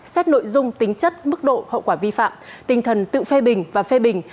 xét nội dung tính chất mức độ hậu quả vi phạm tinh thần tự phê bình và phê bình